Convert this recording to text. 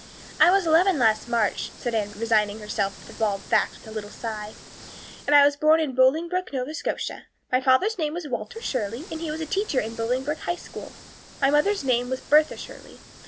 "I was eleven last March," said Anne, resigning herself to bald facts with a little sigh. "And I was born in Bolingbroke, Nova Scotia. My father's name was Walter Shirley, and he was a teacher in the Bolingbroke High School. My mother's name was Bertha Shirley.